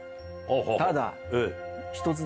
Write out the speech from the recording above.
ただ。